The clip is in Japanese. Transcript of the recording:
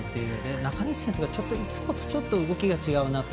中西選手がいつもよりちょっと動きが違うなと。